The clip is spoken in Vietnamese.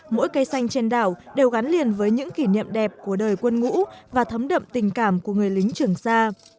mỗi cây xanh trên đảo đều gắn liền với những kỷ niệm đẹp của đời quân ngũ và thấm đậm tình cảm của người lính trường sa